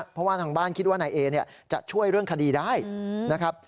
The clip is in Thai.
เพราะว่าทางบ้านคิดว่านายเอเนี่ยจะช่วยเรื่องคดีได้นะครับ